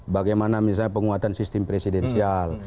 bagaimana misalnya penguatan sistem presidensial